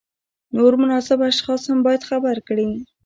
نور مناسب اشخاص هم باید خبر کړي.